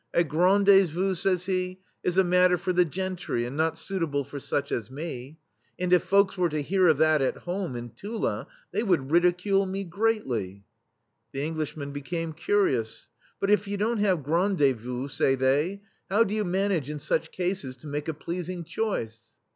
"A grendez vous," says he, "is a matter for the gen try, and not suitable for such as me, and if folks were to hear of that at home, in Tula, they would ridicule me greatly/' The Englishmen became curious: "But if you don't have grendezvous," say they, "how do you manage in such cases to make a pleasing choice?"